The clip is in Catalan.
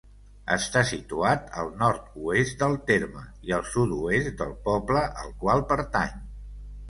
Està situat al nord-oest del terme i al sud-oest del poble al qual pertany.